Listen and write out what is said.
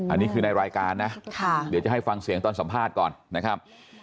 อันนี้คือในรายการนะเดี๋ยวจะให้ฟังเสียงตอนสัมภาษณ์ก่อนนะครับ